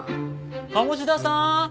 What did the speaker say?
鴨志田さん！